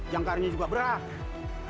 jangkarnya juga berat